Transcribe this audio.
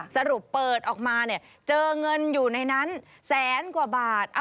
สรุปเปิดออกมาเนี่ยเจอเงินอยู่ในนั้นแสนกว่าบาท